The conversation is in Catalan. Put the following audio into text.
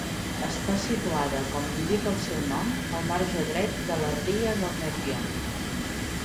Està situada, com indica el seu nom, al marge dret de la ria del Nerbion.